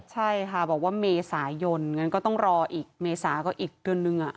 ใช่ค่ะบอกว่าเมษายนงั้นก็ต้องรออีกเมษาก็อีกเดือนนึง